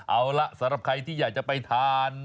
เอาล่ะสำหรับใครที่อยากจะไปทาน